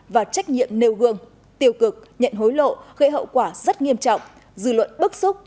và trách nhiệm nêu gương tiêu cực nhận hối lộ gây hậu quả rất nghiêm trọng dư luận bức xúc